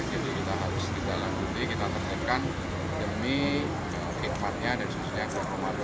jadi kita harus di dalam bukti kita tentukan demi kemahannya dan semuanya